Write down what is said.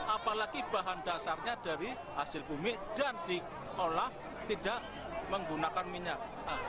apalagi bahan dasarnya dari hasil bumi dan diolah tidak menggunakan minyak